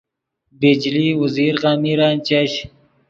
بجلی اوزیر غمیرن چش